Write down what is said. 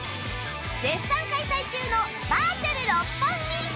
絶賛開催中のバーチャル六本木！